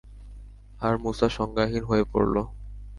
আর মূসা সংজ্ঞাহীন হয়ে পড়ল।